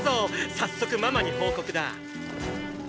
早速ママに報告だ！